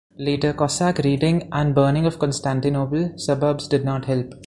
Later Cossack raiding and burning of Constantinople suburbs did not help.